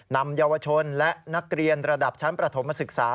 นำเยาวชนและนักเรียนระดับชั้นประถมศึกษา